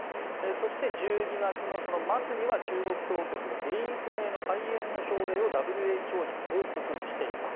そして１２月末には中国当局が原因不明の肺炎の症例をＷＨＯに報告しています。